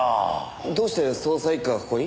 どうして捜査１課がここに？